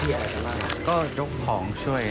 พี่อายุวทีพวกเราถามกันทุกวัน